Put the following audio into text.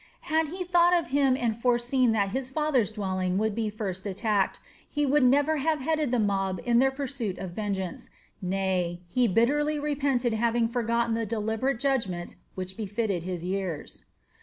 Had he thought of him and foreseen that his father's dwelling would be first attacked, he would never have headed the mob in their pursuit of vengeance; nay, he bitterly repented having forgotten the deliberate judgment which befitted his years.